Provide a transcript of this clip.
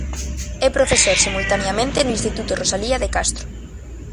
É profesor simultaneamente no Instituto Rosalía de Castro.